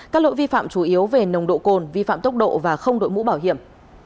các lỗi vi phạm chủ yếu về nồng độ cồn vi phạm tốc độ và không đội mũ bảo hiểm